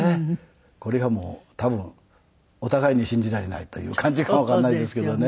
これはもう多分お互いに信じられないという感じかわからないですけどね。